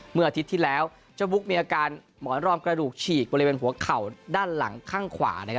อาทิตย์ที่แล้วเจ้าบุ๊กมีอาการหมอนรอมกระดูกฉีกบริเวณหัวเข่าด้านหลังข้างขวา